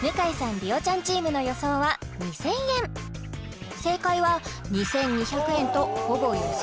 莉桜ちゃんチームの予想は２０００円正解は２２００円とほぼ予想